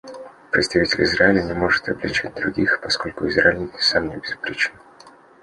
Представитель Израиля не может обличать других, поскольку Израиль сам небезупречен.